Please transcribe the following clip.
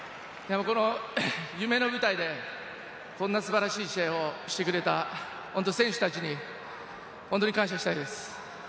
夢の舞台で、こんな素晴らしい試合をしてくれた本当に選手達に感謝したいです。